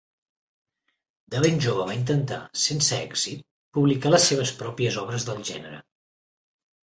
De ben jove va intentar, sense èxit, publicar les seves pròpies obres del gènere.